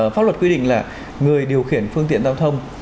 pháp luật quy định là người điều khiển phương tiện giao thông